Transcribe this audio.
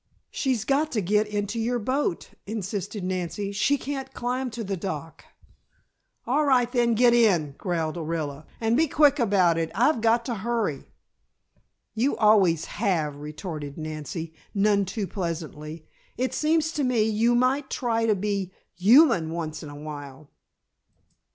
"She's got to get into your boat," insisted Nancy, "she can't climb to the dock." "All right, then, get in," growled Orilla, "and be quick about it. I've got to hurry!" "You always have," retorted Nancy, none too pleasantly. "It seems to me, you might try to be human, once in a while."